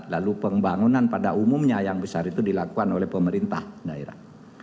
lalu pembangunan pada umumnya yang besar itu dilakukan oleh pemerintah daerah